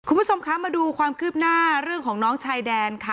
คุณผู้ชมคะมาดูความคืบหน้าเรื่องของน้องชายแดนค่ะ